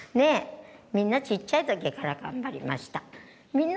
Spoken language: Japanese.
みんなちっちゃい時から頑張りました。